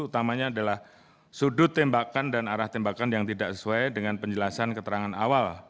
utamanya adalah sudut tembakan dan arah tembakan yang tidak sesuai dengan penjelasan keterangan awal